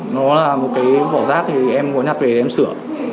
nó là một cái vỏ rác thì em có nhặt về để em sửa